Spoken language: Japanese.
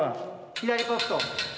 左ポスト。